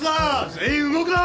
全員動くな！